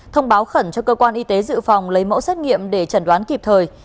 thông báo khẩn cho cơ quan y tế dự phòng lấy mẫu xét nghiệm để chẩn đoán kịp thời